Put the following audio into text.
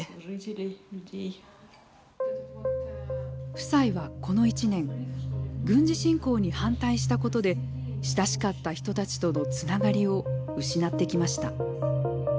夫妻はこの１年軍事侵攻に反対したことで親しかった人たちとのつながりを失ってきました。